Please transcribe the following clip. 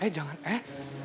eh jangan eh